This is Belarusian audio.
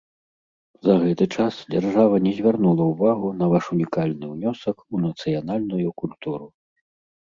За гэты час дзяржава не звярнула ўвагу на ваш унікальны ўнёсак у нацыянальную культуру.